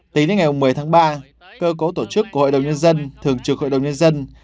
tính đến ngày một mươi tháng ba cơ cấu tổ chức của hội đồng nhân dân thường trực hội đồng nhân dân